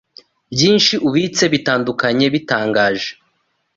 byinshi ubitse bitandukanye bitangaje